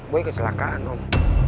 boy kecelakaan om